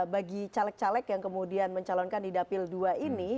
bagi caleg caleg yang kemudian mencalonkan di dapil dua ini